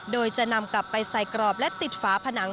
โดยจะนำกลับไปใส่กรอบและติดฝาผนัง